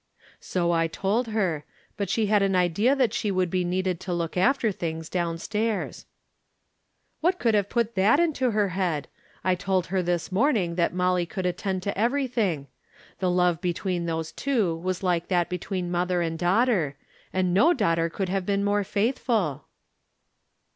" So I told her ; but she had an idea that she would be needed to look after things down stairs." " What could have put that into her head ? I told her tliis morning that Molly could attend to everytliing. The love between those two was like that between mother and daughter, and no daughter could have been more faithful."